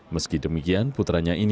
meski demikian putranya ini